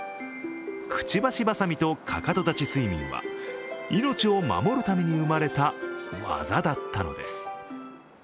くちばし挟みと、かかと立ち睡眠は命を守るために生まれた技だったんです。